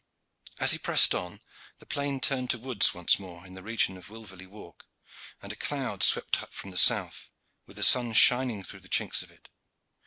As he pressed on the plain turned to woods once more in the region of Wilverley Walk, and a cloud swept up from the south with the sun shining through the chinks of it.